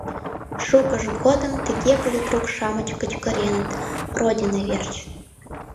— Шукыж годым тыге политрук-шамыч кычкыреныт: «Родина верч!